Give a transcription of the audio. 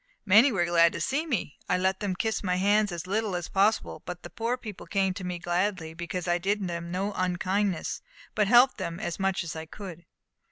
"Many were glad to see me. I let them kiss my hands as little as possible; but the poor people came to me gladly, because I did them no unkindness, but helped them as much as I could."